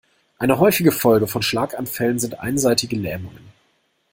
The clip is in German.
Eine häufige Folge von Schlaganfällen sind einseitige Lähmungen.